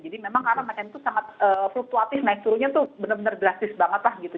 jadi memang karena macan itu sangat fluktuatif naik turunnya tuh benar benar drastis banget lah gitu